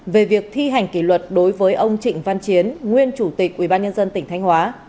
về việc thi hành kỷ luật đối với ông trịnh văn chiến nguyên chủ tịch ubnd tỉnh thanh hóa